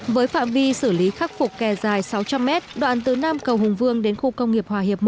với phạm vi xử lý khắc phục kè dài sáu trăm linh m đoạn từ nam cầu hùng vương đến khu công nghiệp hòa hiệp một